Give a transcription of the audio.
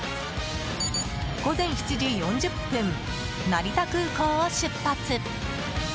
午前７時４０分、成田空港を出発。